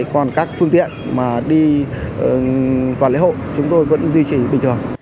còn các phương tiện mà đi vào lễ hội chúng tôi vẫn duy trì bình thường